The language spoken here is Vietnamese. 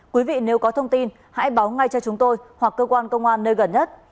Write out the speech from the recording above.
quý vị nếu có thông tin hãy báo ngay cho chúng tôi hoặc cơ quan công an nơi gần nhất